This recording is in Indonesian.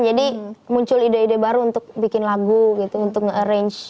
jadi muncul ide ide baru untuk bikin lagu gitu untuk nge arrange